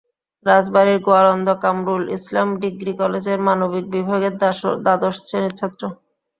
রাজবাড়ীর Goalanda Kamrul Islam degree কলেজের মানবিক বিভাগের দ্বাদশ শ্রেণির ছাত্র।